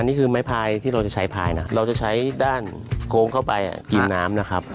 นี่คือไม้พายที่เราจะใช้พายนะเราจะใช้ด้านโค้งเข้าไปกินน้ำนะครับ